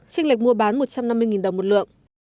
tranh lệch mua bán một trăm năm mươi đồng một lượng